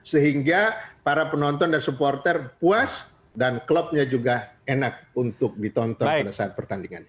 sehingga para penonton dan supporter puas dan klubnya juga enak untuk ditonton pada saat pertandingan